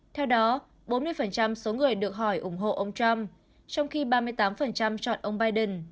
theo đó bốn mươi số người được hỏi ủng hộ ông trump trong khi ba mươi tám chọn ông biden